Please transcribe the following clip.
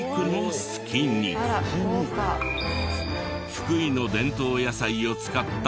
福井の伝統野菜を使ったサラダ。